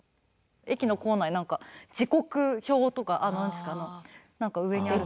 駅の構内時刻表とか何ですかあの何か上にある。